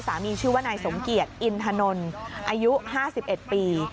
สามีชื่อว่านายสมเกียรติอินทนลอายุ๕๑ปี